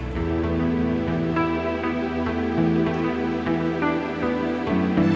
nggak ada yang lewat lagi